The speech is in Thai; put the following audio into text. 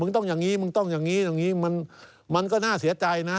ต้องอย่างนี้มึงต้องอย่างนี้ตรงนี้มันก็น่าเสียใจนะ